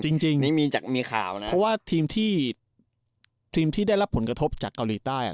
เพราะว่าทีมที่ได้รับผลกระทบจากเกาหลีใต้อ่ะ